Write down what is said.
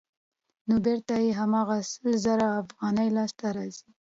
نو بېرته یې هماغه سل زره افغانۍ لاسته راځي